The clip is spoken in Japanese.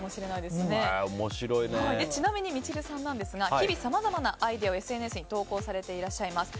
ちなみに、ミチルさんですが日々さまざまなアイデアをＳＮＳに投稿されていらっしゃいます。